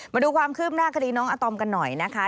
มาดูความคืบหน้าคดีน้องอาตอมกันหน่อยนะคะ